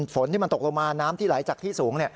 ฝนที่มันตกลงมาน้ำที่ไหลจากที่สูง